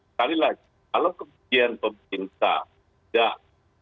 sekali lagi kalau kemudian pemerintah tidak